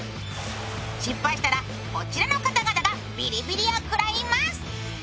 失敗したらこちらの方々がビリビリを食らいます。